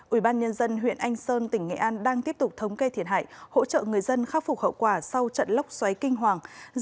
ubnd huyện anh sơn tỉnh nghệ an đang tiếp tục thống kê thiệt hại hỗ trợ người dân khắc phục hậu quả sau trận lốc xoáy kinh hoàng